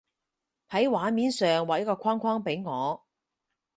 喺畫面上畫一個框框畀我